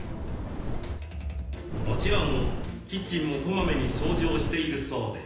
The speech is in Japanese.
もちろんキッチンもこまめに掃除をしているそうで。